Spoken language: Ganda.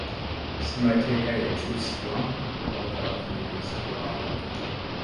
Ssemateeka yakyusibwa obwakabaka ne buzzibwawo